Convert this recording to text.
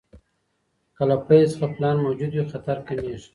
که له پیل څخه پلان موجود وي، خطر کمېږي.